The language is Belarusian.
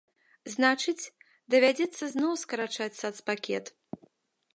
Значыць, давядзецца зноў скарачаць сацпакет.